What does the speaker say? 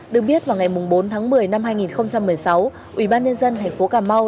được biết vào ngày bốn tháng một mươi năm hai nghìn một mươi sáu ủy ban nhân dân thành phố cà mau